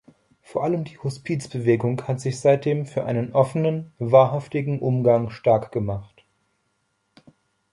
Vor allem die Hospizbewegung hat sich seitdem für einen offenen, wahrhaftigen Umgang stark gemacht.